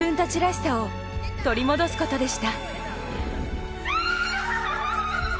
自分たちらしさを取り戻すことでした。